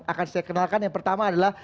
akan saya kenalkan yang pertama adalah